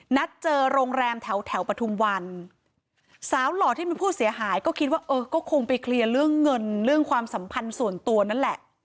นัดเจอโรงแรมแถวแถวปฐุมวันสาวหล่อที่เป็นผู้เสียหายก็คิดว่าเออก็คงไปเคลียร์เรื่องเงินเรื่องความสัมพันธ์ส่วนตัวนั่นแหละ